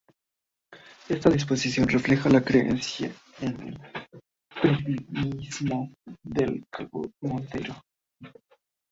Esta disposición refleja la creencia en el primitivismo de Carvalho Monteiro.